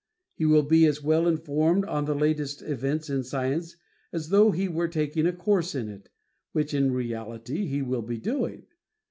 He will be as well informed on the latest events in science as though he were taking a course in it, which in reality he will be doing.